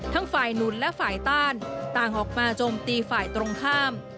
ฝ่ายนุนและฝ่ายต้านต่างออกมาโจมตีฝ่ายตรงข้าม